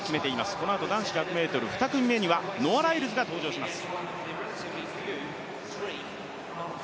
このあと男子１００ｍ２組目には、ノア・ライルズが登場します。